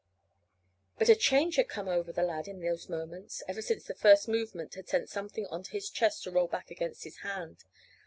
But a change had come over the lad in those moments, ever since the first movement had sent something on to his chest to roll back against his hand.